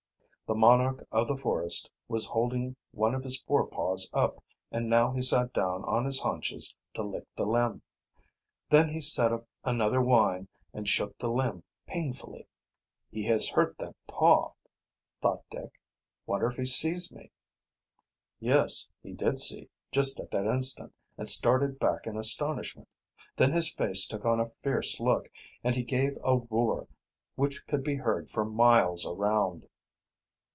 The monarch of the forest was holding one of his forepaws up and now he sat down on his haunches to lick the limb. Then he set up another whine and shook the limb painfully. "He has hurt that paw," thought Dick. "Wonder if he sees me?" Yes, he did see, just at that instant, and started back in astonishment. Then his face took on a fierce look and he gave a roar which could be heard for miles around.